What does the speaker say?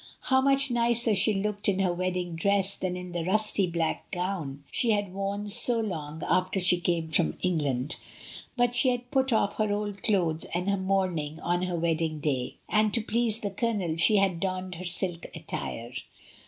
How much nicer she looked in her wedding dress than in the rusty black gown she had worn so long after she came from England! But she had put off her old clothes "and her mourning on her wedding day; and to please the Colonel she had donned her silk attire.